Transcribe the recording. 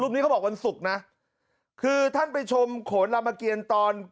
นี้เขาบอกวันศุกร์นะคือท่านไปชมโขนลามเกียรตอน